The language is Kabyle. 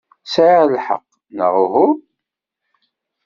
Sɛiɣ lḥeqq, neɣ uhu?